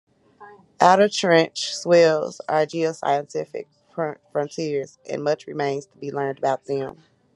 Outer trench swells are geoscientific frontiers and much remains to be learned about them.